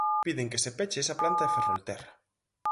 Piden que se peche esa planta de Ferrolterra.